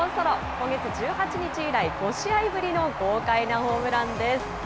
今月の１８日以来５試合ぶりの豪快なホームランです。